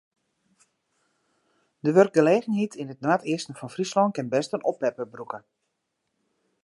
De wurkgelegenheid yn it noardeasten fan Fryslân kin bêst in oppepper brûke.